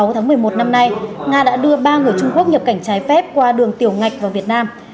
hai mươi tháng một mươi một năm nay nga đã đưa ba người trung quốc nhập cảnh trái phép qua đường tiểu ngạch vào việt nam